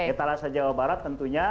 etalase jawa barat tentunya